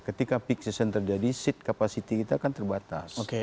ketika peak season terjadi seat capacity kita kan terbatas